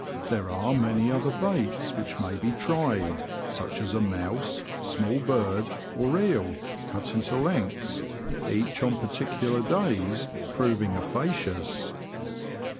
There are many other baits which may be tried, such as a mouse, small bird, or eel cut into lengths, each on particular days proving efficacious.